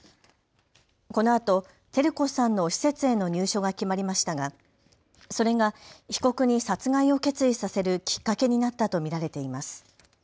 このあと照子さんの施設への入所が決まりましたが、それが被告に殺害を決意させるきっかけになったと見られています。